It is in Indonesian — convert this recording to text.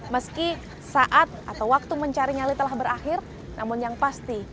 meski saat atau waktu mencari nyali telah berakhir namun yang pasti